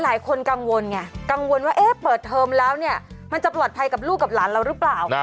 หลายคนกังวลไงกังวลว่าเปิดเทอมแล้วเนี่ยมันจะปลอดภัยกับลูกกับหลานเราหรือเปล่า